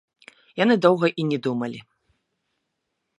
Яны доўга і не думалі.